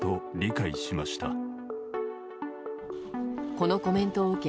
このコメントを受け